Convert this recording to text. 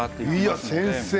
いや、先生